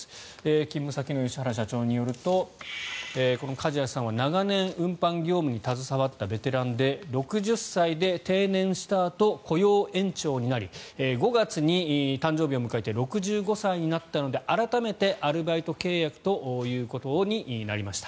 勤務先の吉原社長によるとこの梶谷さんは、長年運搬業務に携わったベテランで６０歳で定年したあと雇用延長になり５月に誕生日を迎えて６５歳になったので改めてアルバイト契約ということになりました。